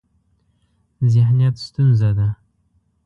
ذهنیت ستونزه ده.